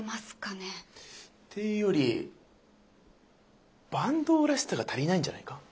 ていうより坂東らしさが足りないんじゃないか。